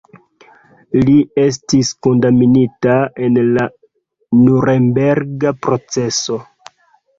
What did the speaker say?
Li estis kondamnita en la Nurenberga proceso.